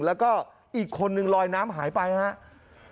แล้วก็อีกคนนึงลอยน้ำหายไปครับ